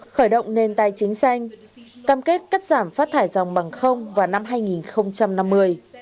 khởi động nền tài chính xanh cam kết cắt giảm phát thải dòng bằng không vào năm hai nghìn năm mươi